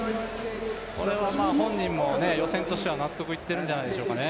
これは本人も予選としては納得いってるんじゃないでしょうかね。